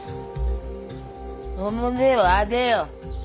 おもえをあえよ。